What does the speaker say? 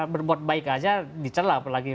berbuat baik aja dicelap lagi